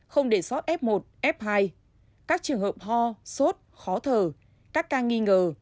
không để sót f một f hai các trường hợp ho sốt khó thở các ca nghi ngờ